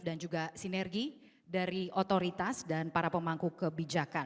dan juga sinergi dari otoritas dan para pemangku kebijakan